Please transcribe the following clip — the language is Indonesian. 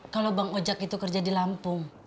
kalau bang ojek itu kerja di lampung